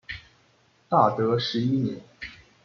大德十一年。